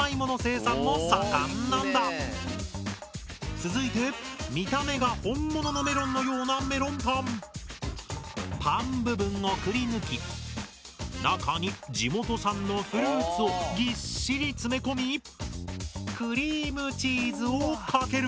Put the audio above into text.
続いて見た目がパン部分をくりぬき中に地元産のフルーツをぎっしり詰め込みクリームチーズをかける！